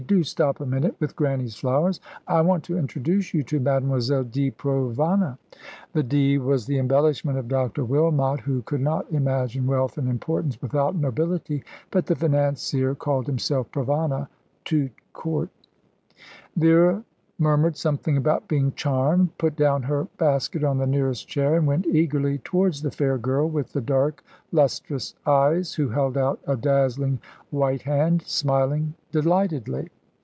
Do stop a minute with Grannie's flowers. I want to introduce you to Mademoiselle di Provana." The "di" was the embellishment of Dr. Wilmot, who could not imagine wealth and importance without nobility, but the financier called himself Provana tout court. Vera murmured something about being "charmed," put down her basket on the nearest chair, and went eagerly towards the fair girl with the dark, lustrous eyes, who held out a dazzling white hand, smiling delightedly.